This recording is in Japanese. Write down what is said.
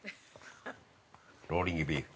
◆ローリングビーフ。